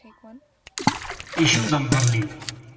Icudd amḍelliw.